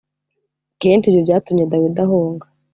Kenshi ibyo byatumye dawidi ahunga